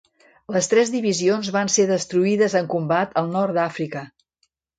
Les tres divisions van ser destruïdes en combat al nord d'Àfrica.